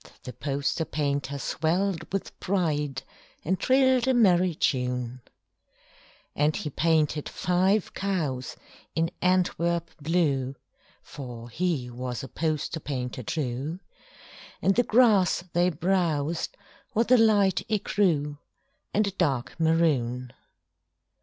And the poster painter swelled with pride And trilled a merry tune. And he painted five cows in Antwerp blue (For he was a poster painter true), And the grass they browsed was a light écru And a dark maroon.